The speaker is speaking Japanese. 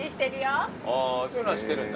そういうのはしてるんだ。